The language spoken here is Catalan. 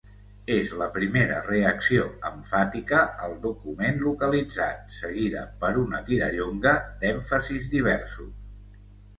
És la primera reacció emfàtica al document localitzat, seguida per una tirallonga d'èmfasis diversos.